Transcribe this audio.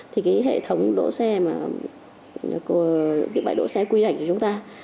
thì cái hệ thống đỗ xe mà cái bãi đỗ xe quy ảnh của chúng ta